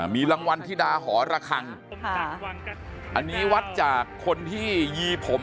มีรางวัลธิดาหอระคังอันนี้วัดจากคนที่ยีผม